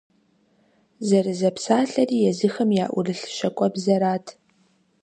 Зэрызэпсалъэри езыхэм яӀурылъ щакӀуэбзэрат.